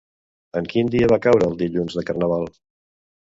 En quin dia va caure el dilluns de Carnaval?